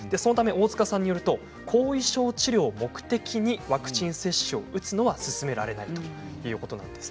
大塚さんによると後遺症治療を目的にワクチン接種は勧められないということでした。